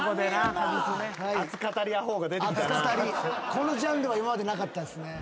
このジャンルは今までなかったですね。